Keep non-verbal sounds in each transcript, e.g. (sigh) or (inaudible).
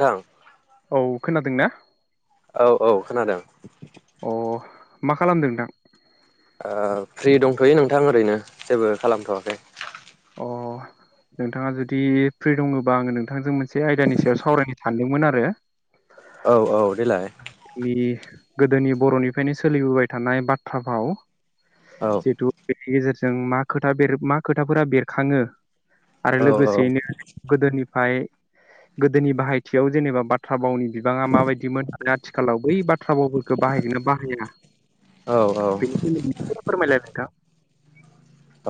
नोंथां खोनादों ना? औ औ खोनादों। अ मा खालामदों नोंथां? ओ फ्रि दंथ'यो नोंथां ओरैनो जेबो खालामथ'वाखै। अ नोंथाङा जुदि फ्रि दङबा आङो नोंथांजों मोनसे आयदानि सायाव सावरायनो सानदोंमोन आरो। औ औ देलाय जोंनि गोदोनि बर'निफ्रायनो सोलिबोबाय थानाय बाथ्रा भाव औ जिथु गेजेरजों मा खोथा मा खोथाफोरा बेर खाङो आरो औ लोगोसेयैनो गोदोनि फाय गोदोनि बाहायथियाव जेनेबा बाथ्रा भावनि बिबाङा माबायदिमोन आरो आथिखालाव बै बाथ्रा भावफोरखौ बाहायगोना बाहाया औ औ बेनि सोमोन्दै एसे फोरमायलाय नोंथां।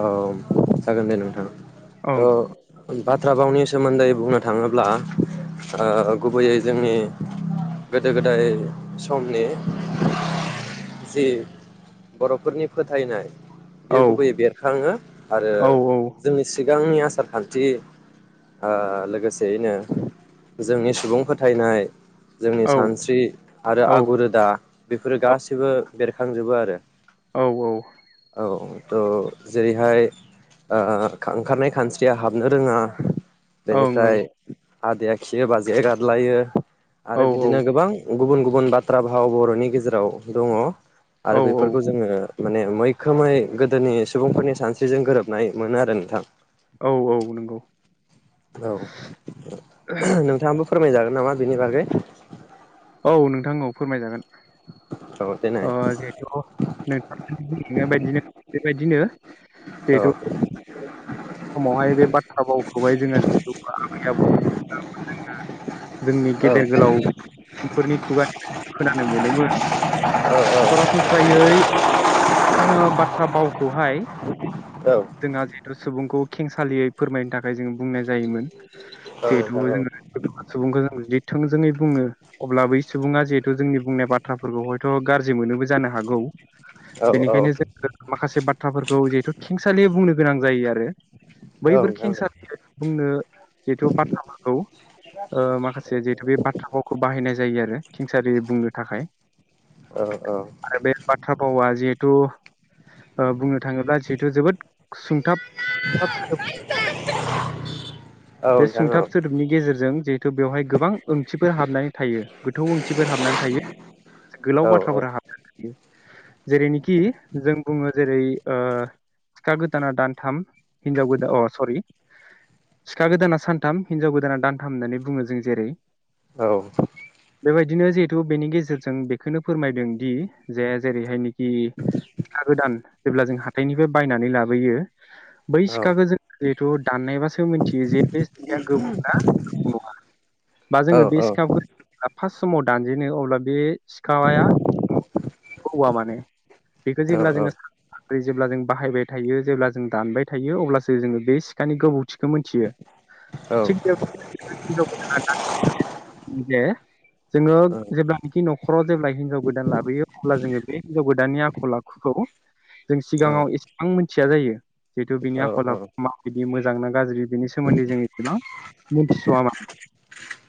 औ जागोन दे नोंथां। औ बाथ्रा भावनि सोमोन्दै बुंनो थाङोब्ला ओ गुबैयै जोंनि गोदो गोदाय समनि जि बर'फोरनि फोथायनाय बे औ गुबैयै बेर खाङो आरो औ जोंनि सि गांनि आसार खान्थि ओ लोगोसेयैनो जोंनि सुबुं फोथायनाय जोंनि औ सानस्रि आरो औ आगु रोदा बेफोरो गासैबो बेरखांजोबो आरो। औ औ। द। जेरैहाय ओ खा ओंखारनाय खानस्रिया हाबनो रोङा ओं ओं बेनिफ्राय आदैआ खियो बाजैया गादलायो औ आरो बिदिनो गोबां उम गुबुन गुबुन बाथ्रा भाव बरनि गेजेराव दङ औ आरो बेफोरखौ जोङो माने मैखोमै गोदोनि सु सुबुंफोरनि सानस्रिजों गोरोबनाय मोनो आरो नोंथां औ औ नंगौ। औ नो नोंथाङा आबो। फोरमायजागोन नामा बिनि बागै औ नोंथां औ फोरमायजागोन औ देनाय औ नोंथां औ नोंथां औ नोंथां औ नोंथां औ नोंथां औ नोंथां अ जितु न बेदिनो बेबायदिनो जिहेथु औ। समावहाय बे बाथ्रा भावखौहाय जोङो जिहेतु आबै आबौनि खुगा जोङो जोंनि गेदेर गोलाव फोरनि खुगानि खोनानो मोनोमोन सरासनस्रायै ओ बाथ्रा भावखौहाय जोंहा जिहेथु सुबुंखौ खेंसालियै फोरमायनो थाखाय जोङो बुंनाय जायोमोन जिहेथु जोङो सुबुंखौ जों जुदि थोंजोङै बुङो अब्ला बै सुबुङा जिहेथु जोंनि बुंनाय बाथ्राफोरखौ हयथ गाज्रि मोनोबो जानो हागौ बेनिखायनो जोङो माखासे बाथ्राफोरखौ जिहेथु दालि बुंनो गोनां जायो आरो। बैफोर खेंसा (unintelligible) बुंनो जिहेथु बाथ्राखौ माखासे जिहेथु बे बाथ्रा भावखौ बाहायनाय जायो आरो। खिंसारि बुंनो थाखाय आरो बे बाथ्रा बावा जिहेथु ओ बुंनो थाङोबा जिथु जोबोद सुंथाब (unintelligible) बे सुंथाब सोदोबनि गेजेरजों जिहेथु बेवहाय गोबां ओंथिफोर हाबनानै थायो गोथौ ओंथिफोर हाबनानै थायो से गोलाव बाथ्राफोर हाबनानै थायो जेरैनिखि जों बुङो जेरै ओ सिखा गोदाना दानथाम हिनजाव गोदा अ सरि सिखा गोदाना सानथाम हिनजाव गोदाना दानथाम होननानै बुङो जों जेरै औ बेबायदिनो जिहेतु बेनि गेजेरजों बेखौनो फोरमायदों दि जे जेरै हाय दि सिखा गोदान जेब्ला जों हाथायनिफ्राय बायनानै लाबोयो बै सिखाखो जों जिहेथु दाननायबासो मिथ जे बे सिखाया गोबौना गोबौ नङा बा‌ जोंङो बे सिखाखौ (unintelligible) फार्स्ट समाव दानजेनो अब्ला बे सिखाया बोवा माने बेखौ जेब्ला जोङो जेब्ला जों बाहायबाय थायो जेब्ला जों दानबाय थायो अब्लासो जोङो बे सिखानि गोबौथिखौ मिथियो थिग बेबादिनो हिनजाव गोदाना (unintelligible) जोङो जेब्लानाखि न'खराव जेब्ला हिनजाव गोदान लाबोयो अब्ला जोङो बे हिनजाव गोदाननि आखल आखुखौ जों औ सिगाङाव एसेबां मोन थिया जायो जिहेतु बिनि आखल आखुखौ माबदि मोजां ना गाज्रि बेनि सोमोन्दै जों एसेबां मिथिसव मा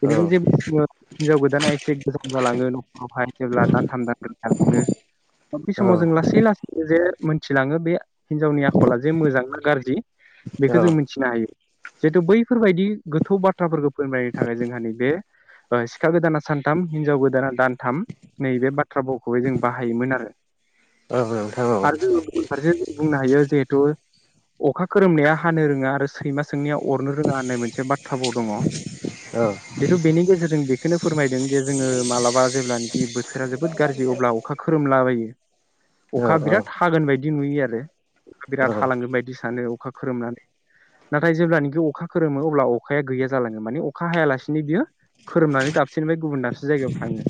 बेनिफ्राय जोङो हिनजाव गोदाना एसे गोजान जालाङो नखरावहाय जेब्ला दानथाम दानब्रै जालाङो बे समाव जों लासै लासैनो जे मोनथिलाङो दा बे हिनजावनि आखला जे मोजां ना गाज्रि बेखौ जों मिथिनो हायो। जिहेथु बैफोरबायदि गोथौ बाथ्राफोरखौ फोरमायनो थाखाय जोंहा नैबे सिखा गोदाना सानथाम हिनजाव गोदाना दानथाम नैबे बाथ्रा भावखौहाय जों बाहायोमोन आरो। आरो जोङो गुबुन फारसे बुंनो हायो जेहेथु अखा खोरोमनाया हानो रोङा आरो सैमा सों सोंनाया अरनो रोङा होननाय मोनसे बाथ्रा थ्रा भाव दङ जिहेतु बेनि गेजेरजों बेखौनो फोरमायदों जे जोङो मालाबा जेब्लानोखि बोथोरा जोबोद गाज्रि अब्ला अखा खोरोमलाबायो अखा बिराद हागोन बायदि नुयो आरो बिराद हालांगोन बायदि सानो अखा खोरोमनानै नाथाय जेब्लानाखि अखा खोरोमो अब्ला अखाया गैया जालाङो माने अखा हायालासिनो बियो खोरोमनानै दाबसिनबाय गुबुन दाबसे जायगायाव थाङो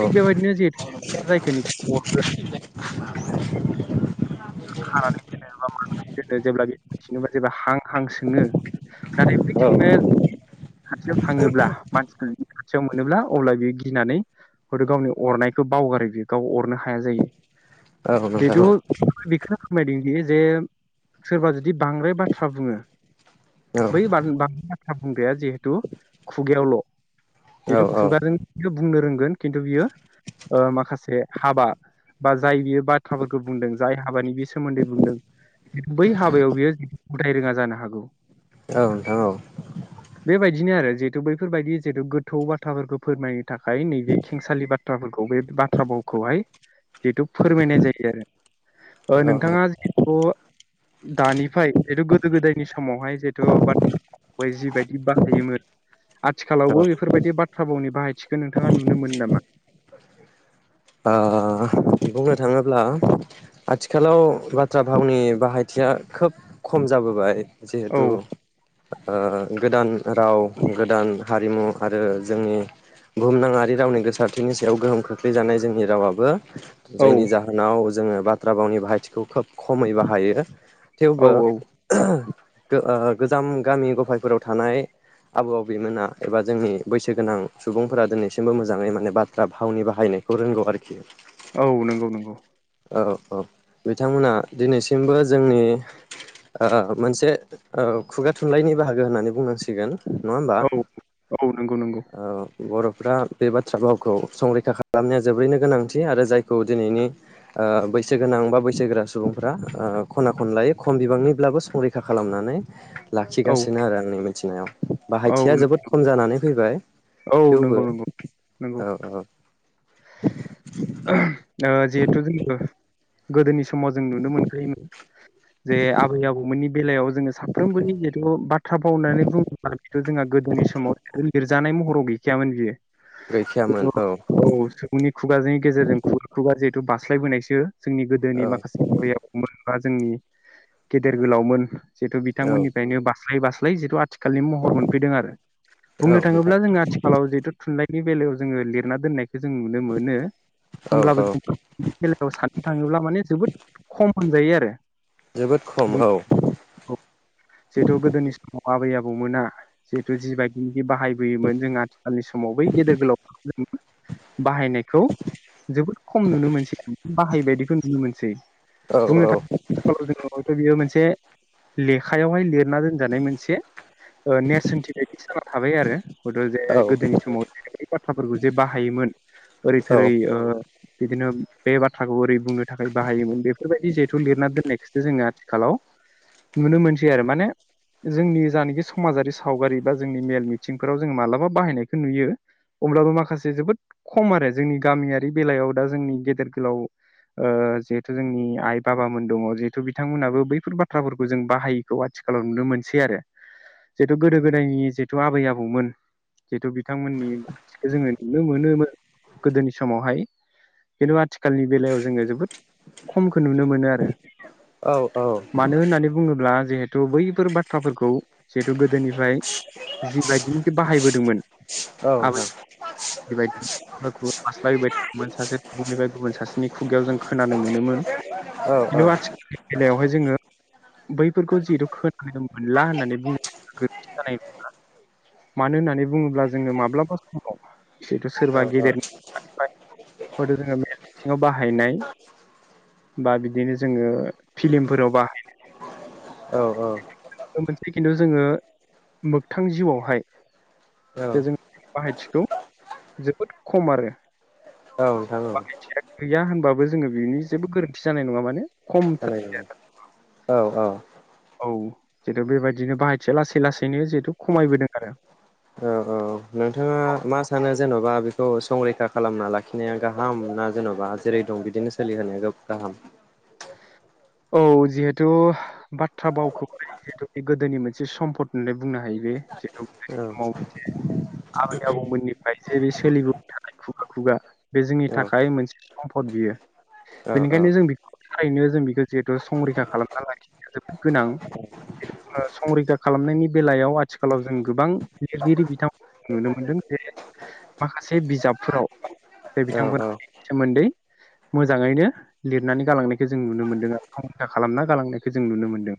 थिग बेबायदिनो जिहेथु जायखौनिखि अर खानानै दोनो बा मानानै दोनो जेब्ला बेदिनो बा जेब्ला हां हां सोङो नाथाय बैदि सैमाया खाथियाव थाङोब्ला मानसिफोर खाथियाव मोनोब्ला अब्ला बियो गिनानै हयथ' गावनि अरनायखौ बावगारो बियो गाव अरनो हाया जायो। औ नोंथां औ बिखोनो फोरमायदों बि जे सोरबा जुदि बांद्राय बाथ्रा बुङो बै (unintelligible) (unintelligible) जिहेतु खुगायावल जिहेथु खुगा जों बुंनो रोंगोन खिन्थु बियो ओ माखासे हाबा बा जाय बियो बाथ्राफोरखौ बुंदों जाय हाबानि बे सोमोन्दै बुंदों बै हाबायाव बियो उदाय रोङा जानो हागौ औ नोंथां औ बेबायदिनो आरो जिहेतु बैफोरबायदि जिहेतु गोथौ बाथ्राफोरखौ फोरमायनो थाखाय नैबे खेंसालि बाथ्राफोरखौ बे बाथ्रा भावखौहाय जिहेथु फोरमायनाय जायो आरो ओ नोंथाङा जिहेथु दानिफ्राय जिहेथु गोदो गोदायनि समावहाय जिहेथु बाथ्राहाय जिबायदि बाहायोमोन आथिखालावबो बेफोरबायदि बाथ्रा भावनि बाहायथिखौ नोंथाङा नुनो मोनो नामा? ओ बुंनो थाङोब्ला आथिखालाव बाथ्रा भावनि बाहायथिया खोब खम जाबोबाय औ जिहेतु ओ गोदान राव गोदान हारिमु आरो जोंनि बुहुमनााङारि रावनि गोसारथिनि सायाव गोहोम खोख्लैजानाय जोंनि रावाबो औ जायनिजाहोनाव जोङो बाथ्रा बावनि बाहायथिखौ खोब खमै बाहायो औ थेवबो औ गो आ गोजाम मुगानि गफायफोराव थानाय आबौ आबैमोना एबा जोंनि बैसोगोनां सुबुंफोरा दिनैसिमबो मोजाङै माने बाथ्रा भावनि बाहायानाय खौ रोंगौ आरोखि औ नंगौ नंगौ औ औ बिथांमोना दिनैसिमबो जोंनि आ मोनसे खुगा थुनलाइनि बाहागो होननानै बुंनांसिगोन नङा होमबा औ औ नंगौ नंगौ ओ बर'फ्रा बे बाथ्रा भावखौ संरैखा खालामनाया जोबोरैनो गोनांथि आरो जायखौ दिनैनि ओ बैसोगोनां बा बैसोगोर सुबुंफ्रा खना खनलायै खम बिबांनिब्लाबो संरैखा खालामनानै औ लाखिगासिनो आरो आंनि (unintelligible) औ बाहायथिया नों- जोबोद खम जानानै फैबाय औ थेवबो नंगौ नंगौ नंगौ औ औ ओ जिहेतु जों गोदोनि समाव जों नुनो मोनखायोमोन जे आबै आबौमोननि बेलायाव जोङो साफ्रोमबोनि जिहेथु बाथ्रा बावनानै बुङोब्ला बेथ' जोंहा गोदोनि समाव लिरजानाय महराव गैखायामोन बियो गैखायामोन औ खुगाजों गेजेरजों खुगा जिहेथु बास्लायबोनायसो जोंनि गोदोनि औ माखासे आबै आबौ मोन बा जोंनि गेदेर गोलावमोन जिहेथु औ बिथांमोननिफ्रायनो बास्लाय बासाय (unintelligible) जिथु आथिखालनि महर मोनफैदों आरो बुंनो औ थाङोब्ला नोंथां जोङो आथिालाव जिहेथु थुनलाइ बेलायाव जो लिरना दोननाय जों नुनो मोनो औ होमब्लाबो औ जोंनि बेलायाव साननो थाङोब्ला माने जोबोद खम मोनजायो आरो (unintelligible) जोबोद खम बुंनो औ जिहेथु गोदोनि समाव आबै आबौमोना जिहेतु जिबायदि बाहायबोयोमोन जों आथिखालनि समाव बै गेदेर गोलाव बाहायनायखौ जोबोद खम नुनो मोनसै आरो बाहायबायदिखौ नुनो मोनसै औ बुंनो थाङोब्ला हयथ' बियो मोनसे लेखायावहाय लिर ना दोनजानाय मोनसे नेरसोनथि बायदि जाना थाबाय आरो हयथ' जे औ गोदोनि समाव जेरैबायदि बाथ्राफोरखौ जे बाहायोमोन ओरै औ थोरै ओ बिदिनो बे बाथ्राखौ ओरै बुंनो थाखाय बाहायोमोन बेफोरबायदि जिहेथु लिरना दोननायखौसो जोङो आथिखालाव नुनो मोनसै आरो माने जोंनि जानाखि समाजारि सावगारि बा जोंनि मेल मिथिंफोराव जों मालाबा बाहायनायखौ नुयो अब्लाबो माखासे जोबोद खम आरो जोंनि गामियारि बेलायाव दा जोंनि गेदेर गोलाव जिहेथु जोंनि आइ बाबामोन दङ जिहेथु बिथांमोनहाबो बैफोर बाथ्राफोरखौ जों बाहायैखौ आथिखालाव नुनो मोनसै आरो जिहेथु गोदो गोदायनि जिहेथु आबै आबौमोन जिहेथु बिथांमोननिखौ जोङो नुनो मोन नुनो मोनो गोदोनि समावहाय खिनथु आथिखालनि बेलायाव जोङो जोबोद खमखौ नुनो मोनो आरो औ औ मानो होननानै बुङोब्ला जिहेतु बैफोर बाथ्राफोरखौ जिहेथु गोद गोदोनिफ्राय जिबायदिनिखि बाहायबोदोंमोन नोंथां आबै खुगा खुगा बास्लायबोबाय थायोमोन सासे सुबुंनिफ्राय गुबुन सासेनि खुगायाव जों खोनानो मोनोमोन औ औ खिन्थु आथिखालनि बेलायावहाय जोङो बैफोरखौ जिहेथु खोनानो मोनला होननानै बुङोब्ला गोरोन्थि जानाय नङा मानो होननानै बुङोब्ला जोङो माब्लाबा समाव जिहेथु सोरबा गेदेर हयथ' जों मेल मिथिङाव बाहायनाय बा बिदि बिदिनो जोङो फिलिमफोराव बाहायनाय औ औ खिन्थु जोङो मोगथां जिउआवहाय जे औ जों बाहायथिखौ जोबोद खम आरो औ नोंथां औ बाहायथिया गैया होनबाबो जोङो बिनि जेबो गोरोन्थि जानाय नङा माने खमथ बानायनांगौ औ औ जितु बेबायदिनो बाहायथिया लासै लासैनो जिहेतु खमायबोदों आरो औ औ नोंथाङा मा सानो जेन'बा बेखौ संरैखा खालामना लाखिनाया गाहाम ना जेन'बा जेरै दं बिदिनो सोलिहोनाया गाहाम औ जिहेथु बाथ्रा भावखौहाय जिहेतु बे गोदोनि मोनसे सम्फद होननानै बुंनो हायो बे जिहेथु गोदोनि औ समाव मोनसे आबै आबौमोननिफ्राय जे बे सोलिबोगासिनो बेनि थाखाय खुगा खुगा बे जोंनि औ थाखाय मोनसे सम्फद बियो औ बेनिखायनो जों बेखौ थारैनो जों बेखौ जिहेथु संरैखा खालामना लाखिनाया जोबोद गोनां जिहेतु संरैखा खालामनायनि बेलायाव आथिखालाव जों गोबां लिरगिरि बिथांमोन नुनो मोनदों जे माखासे बिजाबफोराव जाय औ बिथांमोननि सोमोन्दै मोजाङैनो लिरनानै गालांनायखौ जों नुनो मोनदों आरो रैखा खालामना गालांनायखौ जों नुनो मोनदों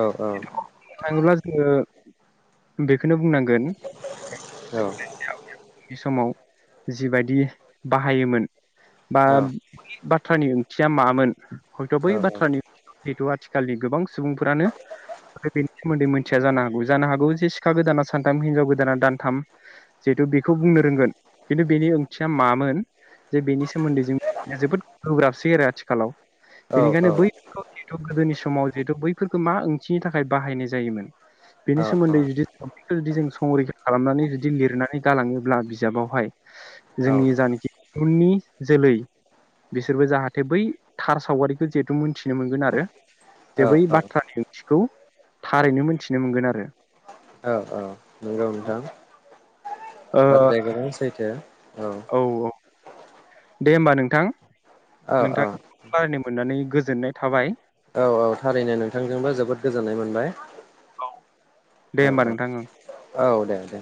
औ औ बुंनो थाङोब्ला जोङो बेखौनो बुंनांगोन बे आबै-आबौनि समाव जिबायदि बाहायोमोन बा बै बाथ्रानि ओंथिया मामोन हयथ' बै बाथ्रा बाथ्र जिहेथु आथिखालनि गोबां सुबुंफोरानो बेनि सोमोन्दै मिथिया जानो हागौ जानो हागौ जे सिखा गोदाना सानथाम हिनजाव गोदाना दानथाम जिहेथु बेखौ बुंनो रोंगोन खिन्थु बेनि ओंथिया मामोन जे बेनि सोमोन्दै जों जोबोद गोब्राबसै आरो आथिखालाव बेनिखायनो बै जिहेथु गोदोनि समाव जिहेथु बैफोरखौ मा ओंथिनि थाखाय बाहायनाय जायोमोन बेनि सोमोन्दै जुदि जों संरैखा खालामनानै जुदि लिरनानै गालाङोब्ला बिजाबावहाय औ जोंनि जेनाखि इयुननि जोलै बिसोरबो जाहाथे बै थार सावगारिखौ जिहेथु मिथि थि मोनगोन आरो जे बै बाथ्रानि ओंथिखौ थारैनो मोनथिनो मोनगोन आरो औ औ नंगौ नोंथां ओ बाथ्राया गोबां सैथो। औ औ। दे होमबा नोंथां औ औ (unintelligible) मोननानै गोजोननाय थाबाय। औ औ थारैनो नोंथांजोंबो जोबोद गोजोननाय मोनबाय। औ दे औ होमबा औ नोंथां ओं। औ दे दे।